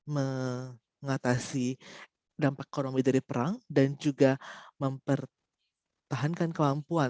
mengatasi dampak ekonomi dari perang dan juga mempertahankan kemampuan